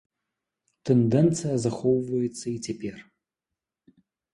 Тэндэнцыя захоўваецца і цяпер.